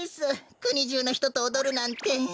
くにじゅうのひととおどるなんて。